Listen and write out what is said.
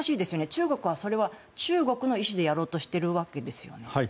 中国はそれは中国の意思でやろうとしているわけですよね。